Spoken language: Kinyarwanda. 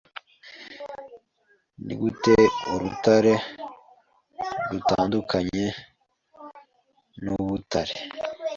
Nigute urutare rutandukanye nubutare